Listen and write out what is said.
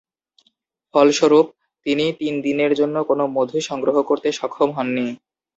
ফলস্বরূপ, তিনি তিন দিনের জন্য কোন মধু সংগ্রহ করতে সক্ষম হন নি।